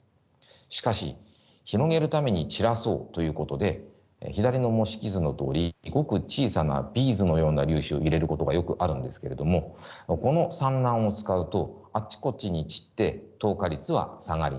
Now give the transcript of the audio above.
しかし広げるために散らそうということで左の模式図のとおりごく小さなビーズのような粒子を入れることがよくあるんですけれどもこの散乱を使うとあっちこっちに散って透過率は下がります。